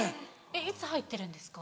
いつ入ってるんですか？